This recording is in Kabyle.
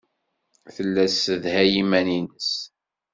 Tella tessedhay iman-nnes.